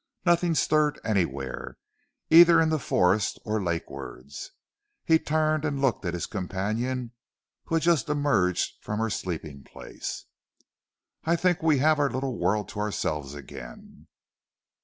Nothing stirred anywhere, either in the forest or lakewards. He turned and looked at his companion who had just emerged from her sleeping place. "I think we have our little world to ourselves again."